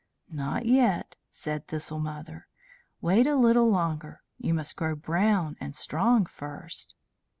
"Not yet," said Thistle Mother. "Wait a little longer. You must grow brown and strong first."